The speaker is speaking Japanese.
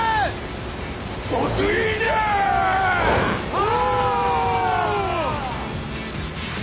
お！